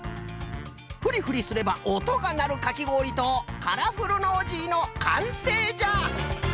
フリフリすればおとがなるかきごおりとカラフルノージーのかんせいじゃ！